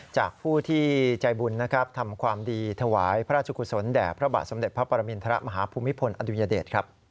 จากผู้ที่ใจบุญทำความดีถวายพระราชกุศลแด่พระบาทสมเด็จพระปรมินทรมาฮภูมิพลอดุญเดช